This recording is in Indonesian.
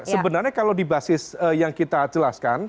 sebenarnya kalau di basis yang kita jelaskan